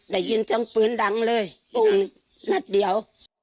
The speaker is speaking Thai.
ได้ยินจังปืนดังเลยนัดเดียว